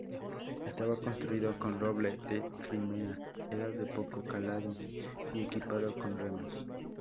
Estaba construido con roble de Crimea, era de poco calado y equipado con remos.